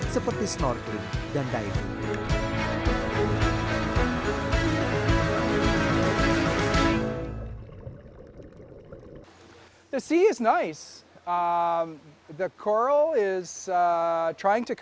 seperti snorkel dan diving